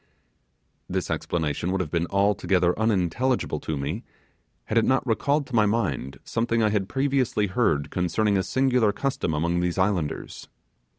This explanation would have been altogether unintelligible to me, had it not recalled to my mind something I had previously heard concerning a singular custom among these islanders.